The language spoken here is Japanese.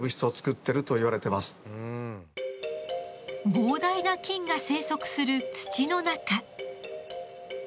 膨大な菌が生息する土の中。